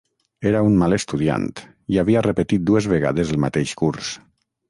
Era un mal estudiant i havia repetit dues vegades el mateix curs.